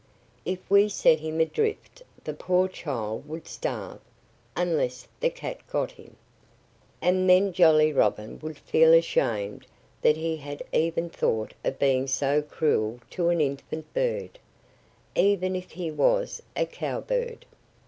"If we set him adrift the poor child would starve unless the cat got him." And then Jolly Robin would feel ashamed that he had even thought of being so cruel to an infant bird, even if he was a Cowbird.